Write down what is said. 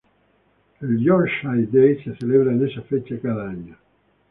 El Yorkshire Day se celebra en esta fecha cada año.